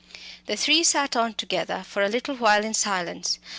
The three sat on together for a little while in silence.